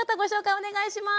お願いします。